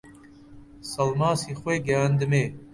سەڵماسی خۆی گەیاندمێ